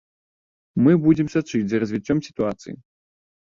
Мы будзем сачыць за развіццём сітуацыі.